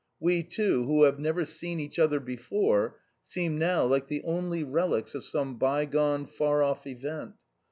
We two, who have never seen each other before, seem now like the only relics of some bygone far off event.